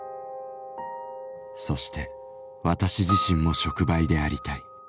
「そして私自身も触媒でありたい。